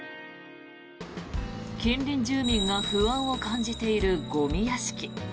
近隣住民が不安を感じているゴミ屋敷。